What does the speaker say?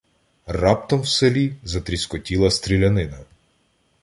Раптом в селі затріскотіла стрілянина.